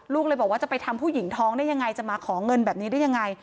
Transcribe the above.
ลูกเลยบอกว่าจะไปทำผู้หญิงท้องได้ยังไงจะมาขอเงินแบบนี้ได้ยังไง